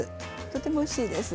とてもおいしいです。